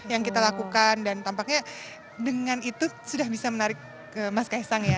yang kita lakukan dan tampaknya dengan itu sudah bisa menarik ke mas kaisang ya